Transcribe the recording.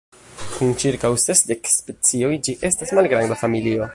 Kun ĉirkaŭ sesdek specioj ĝi estas malgranda familio.